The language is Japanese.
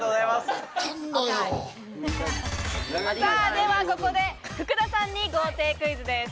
ではここで福田さんに豪邸クイズです。